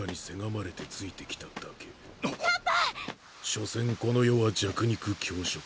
しょせんこの世は弱肉強食。